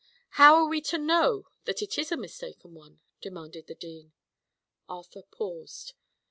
"How are we to know that it is a mistaken one?" demanded the dean. Arthur paused.